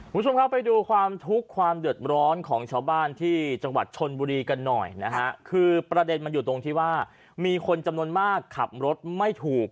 คุณผู้ชมครับไปดูความทุกข์ความเดือดร้อนของชาวบ้านที่จังหวัดชนบุรีกันหน่อยนะฮะคือประเด็นมันอยู่ตรงที่ว่ามีคนจำนวนมากขับรถไม่ถูก